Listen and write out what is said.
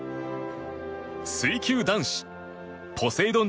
水球男子ポセイドン